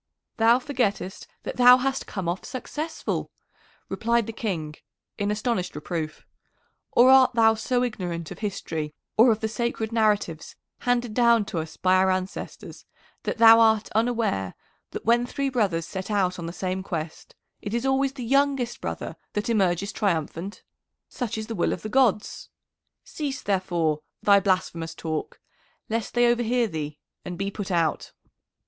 "Thou forgettest that thou hast come off successful," replied the King in astonished reproof. "Or art thou so ignorant of history or of the sacred narratives handed down to us by our ancestors that thou art unaware that when three brothers set out on the same quest, it is always the youngest brother that emerges triumphant? Such is the will of the gods. Cease, therefore, thy blasphemous talk, lest they overhear thee and be put out."